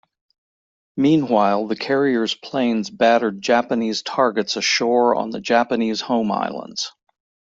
Meanwhile, the carriers' planes battered Japanese targets ashore on the Japanese home islands.